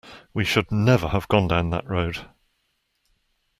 We should never have gone down that road.